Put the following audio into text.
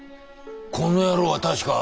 この野郎は確か。